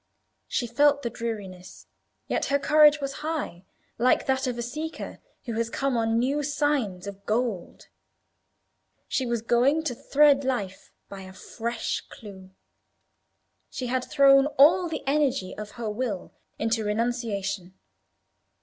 She felt the dreariness, yet her courage was high, like that of a seeker who has come on new signs of gold. She was going to thread life by a fresh clue. She had thrown all the energy of her will into renunciation.